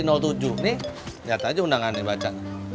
nih lihat aja undangan nih baca